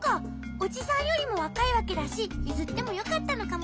おじさんよりもわかいわけだしゆずってもよかったのかもね。